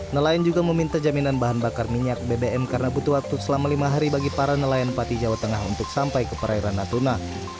nelayan juga meminta jaminan bahan bakar minyak bbm karena butuh waktu selama lima hari bagi para nelayan pati jawa tengah untuk sampai ke perairan natuna